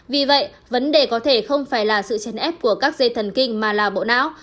vì vậy vấn đề có thể không phải là sự chèn ép của các dây thần kinh mà là bộ não